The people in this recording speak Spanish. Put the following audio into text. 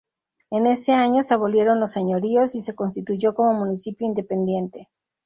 En ese año se abolieron los señoríos y se constituyó como municipio independiente.